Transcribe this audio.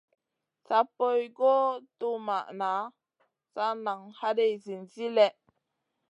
Sa poy guʼ tuwmaʼna, sa nan haday zinzi lèh.